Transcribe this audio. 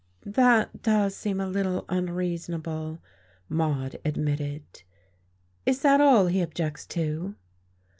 "That does seem a little unreasonable," Maude admitted. "Is that all he objects to?"